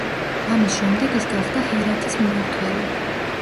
ამის შემდეგ ის გახდა ჰერათის მმართველი.